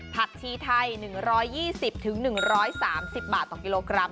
ผักชีไทย๑๒๐๑๓๐บาทต่อกิโลกรัม